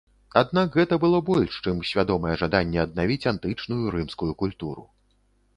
Аднак гэта было больш, чым свядомае жаданне аднавіць антычную рымскую культуру.